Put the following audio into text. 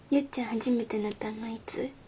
初めて塗ったのいつ？